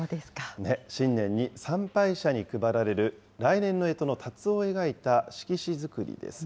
新年に参拝者に配られる、来年のえとのたつを描いた色紙作りです。